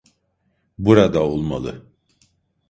Burada olmalı.